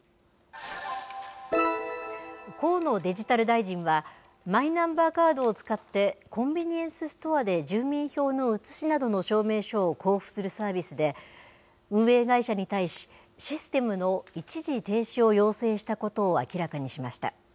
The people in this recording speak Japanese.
河野デジタル大臣は、マイナンバーカードを使って、コンビニエンスストアで住民票の写しなどの証明書を交付するサービスで、運営会社に対し、システムの一時停止を要請したことを明らかにしました。